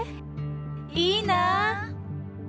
いいなー！